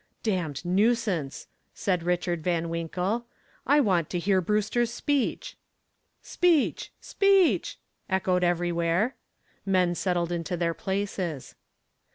"Damned nuisance!" said Richard Van Winkle. "I want to hear Brewster's speech." "Speech! Speech!" echoed everywhere. Men settled into their places.